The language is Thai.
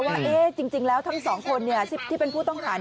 ว่าจริงแล้วทั้งสองคนที่เป็นผู้ต้องหา